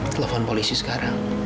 telepon polisi sekarang